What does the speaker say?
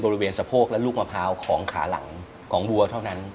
บริเวณสะโพกและลูกมะพร้าวของขาหลังของวัวเท่านั้น